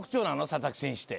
佐々木選手って。